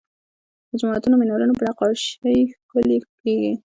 د جوماتونو مینارونه په نقاشۍ ښکلي کیږي.